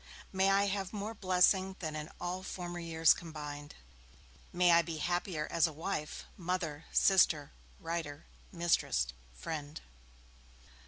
May I have more blessing than in all former years combined! May I be happier as a wife, mother, sister, writer, mistress, friend!'